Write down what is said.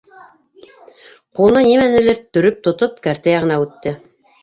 Ҡулына нимәнелер төрөп тотоп кәртә яғына үтте.